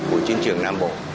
của chiến trường nam bộ